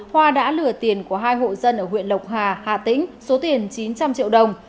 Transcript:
hoa đã lừa tiền của hai hộ dân ở huyện lộc hà hà tĩnh số tiền chín trăm linh triệu đồng